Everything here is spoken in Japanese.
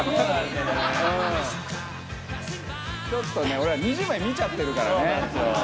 俺ら２０枚見ちゃってるからね